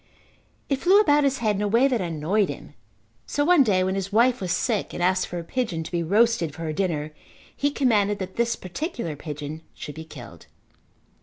It flew about his head in a way that annoyed him, so one day when his wife was sick and asked for a pigeon to be roasted for her dinner he commanded that this particular pigeon should be killed.